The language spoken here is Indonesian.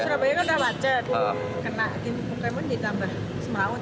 surabaya kan udah macet kena pokemon ditambah semrawut